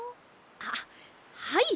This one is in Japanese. あっはい。